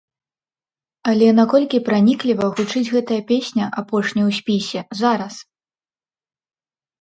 Але наколькі пранікліва гучыць гэтая песня, апошняя ў спісе, зараз?